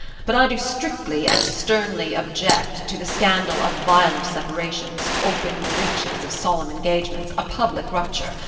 But I do strictly and sternly object to the scandal of violent separations, open breaches of solemn engagements, a public rupture.